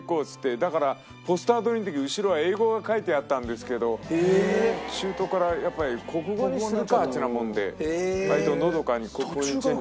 だからポスター撮りの時後ろは英語が書いてあったんですけど中途からやっぱり国語にするかってなもんで割とのどかに国語にチェンジ。